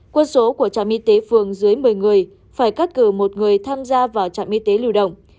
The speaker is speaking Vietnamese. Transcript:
quân số của trạm y tế phường dưới một mươi người phải cắt cử một người tham gia vào trạm y tế lưu động